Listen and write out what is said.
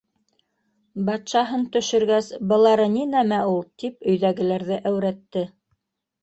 Батшаһын төшөргәс, былары ни нәмә ул, - тип өйҙәгеләрҙе әүрәтте.